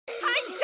はい。